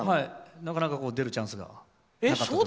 なかなか出るチャンスがなくて。